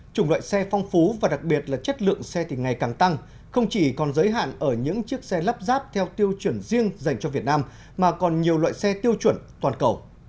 chủng loại xe phong phú và đặc biệt là chất lượng xe thì ngày càng tăng không chỉ còn giới hạn ở những chiếc xe lắp ráp theo tiêu chuẩn riêng dành cho việt nam mà còn nhiều loại xe tiêu chuẩn toàn cầu